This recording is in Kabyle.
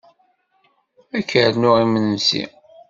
Ad k-nernu imesnsi?